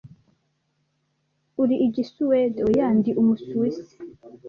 "Uri Igisuwede?" "Oya, ndi Umusuwisi."